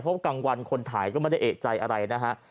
เพราะกลางวันคนถ่ายก็ไม่ได้เอกใจอะไรนะฮะ